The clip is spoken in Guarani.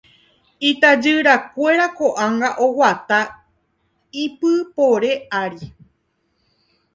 Itajyrakuéra ko'ág̃a oguata ipypore ári.